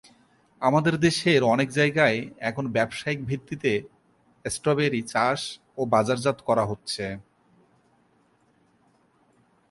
আমাদের দেশের অনেক জায়গায় এখন ব্যবসায়িক ভিত্তিতে স্ট্রবেরি চাষ ও বাজারজাত করা হচ্ছে।